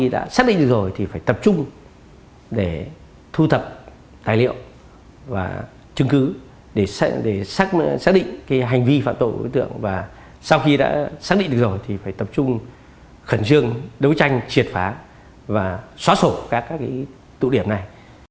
rồi thì phải tập trung khẩn dương đấu tranh triệt phá và xóa sổ các tụ điểm này